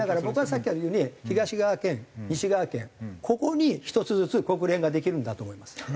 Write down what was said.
僕はさっきから言うように東側圏西側圏ここに１つずつ国連ができるんだと思います。